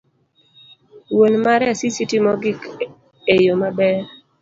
wuon mare Asisi timo gik eyo maber.